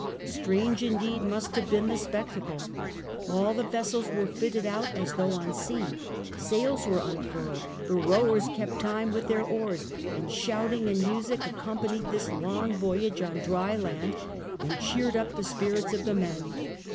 Strange indeed must have been the spectacle. All the vessels were fitted out as though on sea ; sails were unfurled, the rowers kept time with their oars, and shouting and music accompanied this long voyage on dry land and cheered up the spirits of the men.